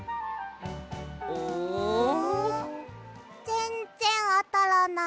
ぜんぜんあたらない。